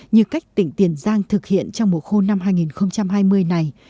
như cách tỉnh tiền giang thực hiện trong mùa khô năm hai nghìn hai mươi này